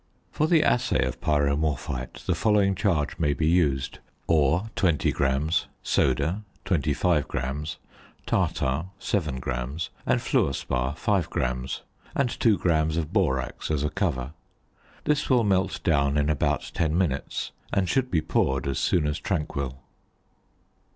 For the assay of pyromorphite the following charge may be used: Ore, 20 grams; "soda," 25 grams; tartar, 7 grams; and fluor spar, 5 grams; and 2 grams of borax as a cover. This will melt down in about ten minutes, and should be poured as soon as tranquil.